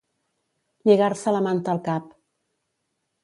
Lligar-se la manta al cap.